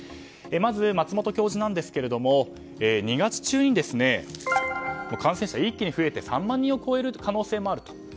まず、松本教授なんですが２月中に感染者一気に増えて３万人を超える可能性もあると。